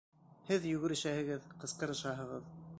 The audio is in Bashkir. Һеҙ йүгерешәһегеҙ, ҡысҡырышаһығыҙ...